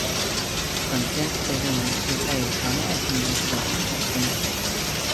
本片被认为是带有强烈爱情元素的惊悚片。